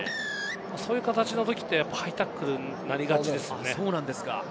そういう形のときってハイタックルになりがちなんですよね。